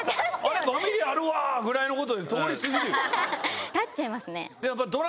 バミリあるわ！ぐらいのことで通り過ぎるよ。